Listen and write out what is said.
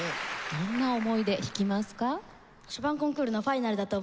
どんな思いで弾きますか？